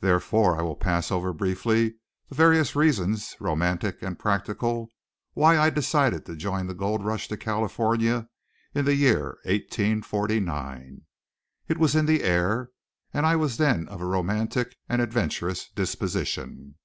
Therefore I will pass over briefly the various reasons, romantic and practical, why I decided to join the gold rush to California in the year 1849. It was in the air; and I was then of a romantic and adventurous disposition.